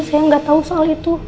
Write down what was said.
saya nggak tahu soal itu